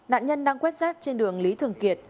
nạn nhân đang quét sát trên đường lý tuyết